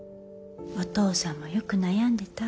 お父さんもよく悩んでた。